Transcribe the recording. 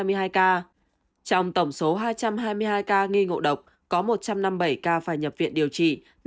trong tổng số hai trăm hai mươi hai ca nghi ngộ độc có một trăm năm mươi bảy ca phải nhập viện điều trị